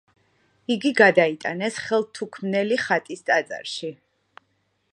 იგი გადაიტანეს ხელთუქმნელი ხატის ტაძარში.